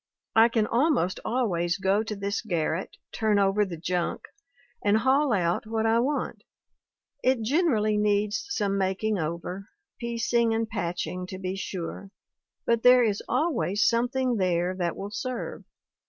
I can almost always go to this garret, turn over the junk, and haul out what I want. It generally needs some making over, piecing and patching, to be sure, but there is al ways something there that will serve.